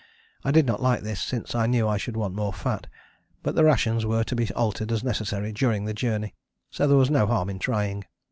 I did not like this, since I knew I should want more fat, but the rations were to be altered as necessary during the journey, so there was no harm in trying.